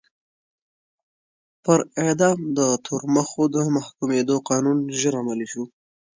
پر اعدام د تورمخو د محکومېدو قانون ژر عملي شو.